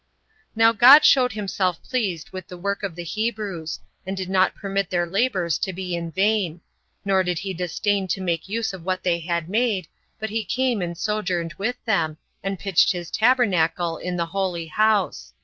5. Now God showed himself pleased with the work of the Hebrews, and did not permit their labors to be in vain; nor did he disdain to make use of what they had made, but he came and sojourned with them, and pitched his tabernacle in the holy house.